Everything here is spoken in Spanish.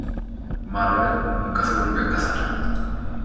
Margaret nunca se volvió a casar.